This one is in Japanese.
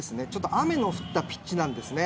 雨の降ったピッチなんです。